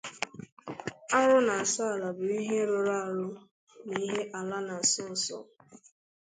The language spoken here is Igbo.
Arụ na Nsọala bụ ihe rụrụ arụ na ihe ala na-asọ nsọ